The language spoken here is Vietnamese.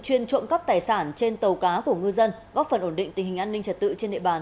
chuyên trộm cắp tài sản trên tàu cá của ngư dân góp phần ổn định tình hình an ninh trật tự trên địa bàn